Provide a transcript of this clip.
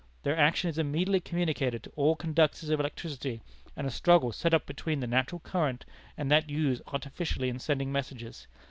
Their action is immediately communicated to all conductors of electricity, and a struggle set up between the natural current and that used artificially in sending messages.